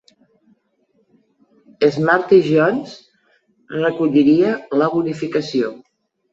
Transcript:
Smarty Jones's recolliria la bonificació.